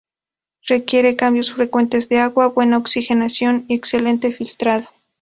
Requiere cambios frecuentes de agua, buena oxigenación y excelente filtrado.